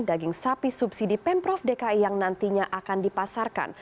daging sapi subsidi pemprov dki yang nantinya akan dipasarkan